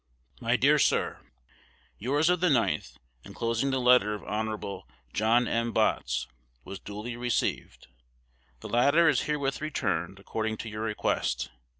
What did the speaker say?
My dear Sir, Yours of the 9th, enclosing the letter of Hon. John M. Botts, was duly received. The latter is herewith returned, according to your request.